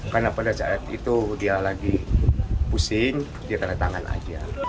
karena pada saat itu dia lagi pusing dia tanda tangan aja